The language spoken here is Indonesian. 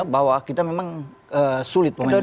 bahwa kita memang sulit